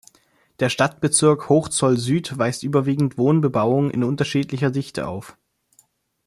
Der Stadtbezirk Hochzoll-Süd weist überwiegend Wohnbebauung in unterschiedlicher Dichte auf.